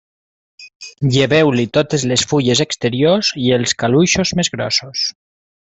Lleveu-li totes les fulles exteriors i els caluixos més grossos.